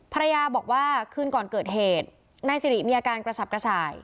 ภรรยาบอกว่าคืนก่อนเกิดเหตุนายสิริมีอาการกระสับกระส่าย